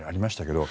けど